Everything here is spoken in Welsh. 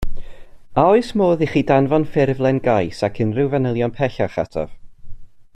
A oes modd i chi danfon ffurflen gais ac unrhyw fanylion pellach ataf.